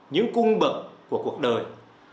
những cung bậc của cuộc đời